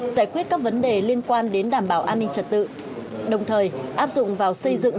giải quyết các vấn đề liên quan đến đảm bảo an ninh trật tự đồng thời áp dụng vào xây dựng